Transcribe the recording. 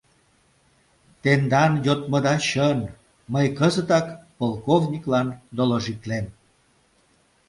— Тендан йодмыда чын, мый кызытак полковниклан доложитлем.